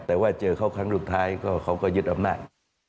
แต่ว่าเจอเขาครั้งสุดท้ายเขาก็ยึดอำนาจ